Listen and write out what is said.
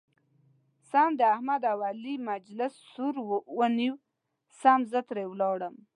سم د احمد او علي مجلس سور ونیو سم زه ترې ولاړم.